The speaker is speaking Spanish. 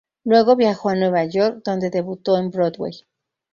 Luego viajó a Nueva York, donde debutó en Broadway.